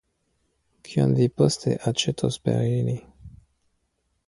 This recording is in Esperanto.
Kion vi poste aĉetos per ili?